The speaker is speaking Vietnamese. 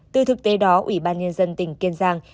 từ thực tế đó ủy ban nhân dân tỉnh kiên giang